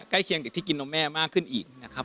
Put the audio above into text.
เคียงเด็กที่กินนมแม่มากขึ้นอีกนะครับ